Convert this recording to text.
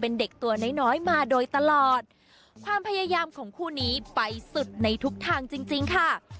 เป็นเด็กตัวน้อยน้อยมาโดยตลอดความพยายามของคู่นี้ไปสุดในทุกทางจริงจริงค่ะ